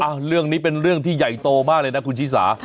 เรื่องนี้เป็นเรื่องที่ใหญ่โตมากเลยนะคุณชิสา